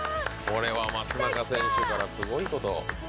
これは松中選手からすごいことを。